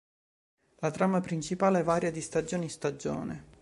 La trama principale varia di stagione in stagione.